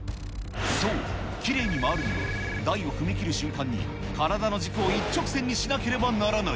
そう、きれいに回るには、台を踏み切る瞬間に、体の軸を一直線にしなければならない。